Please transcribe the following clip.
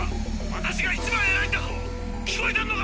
私が一番えらいんだぞ！